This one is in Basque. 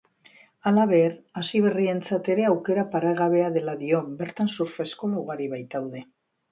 Halaber, hasiberrientzat ere aukera paregabea dela dio, bertan surf-eskola ugari baitaude.